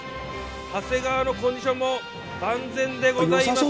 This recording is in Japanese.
長谷川のコンディションも万全でございます。